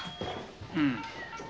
うん。